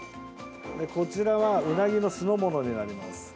こちらはウナギの酢の物になります。